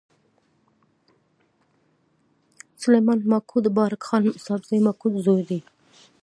سلیمان ماکو د بارک خان سابزي ماکو زوی دﺉ.